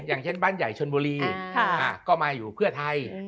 อย่างเช่นบ้านใหญ่ชนบุรีก็มาอยู่เพื่อไทย